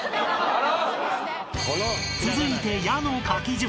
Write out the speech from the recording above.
［続いて「や」の書き順］